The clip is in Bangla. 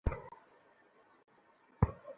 নাজ্জাশী উপঢৌকন দেখে বিস্মিত হলেন।